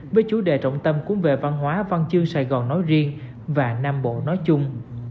với chủ đề trọng tâm cũng về văn hóa văn chương sài gòn nói riêng và nam bộ nói chung